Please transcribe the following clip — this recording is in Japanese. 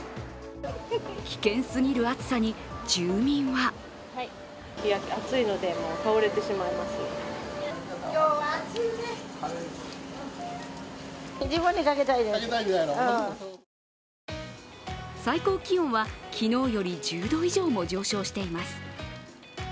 危険すぎる暑さに住民は最高気温は昨日より１０度以上も上昇しています。